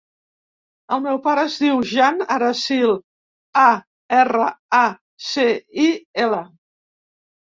El meu pare es diu Jan Aracil: a, erra, a, ce, i, ela.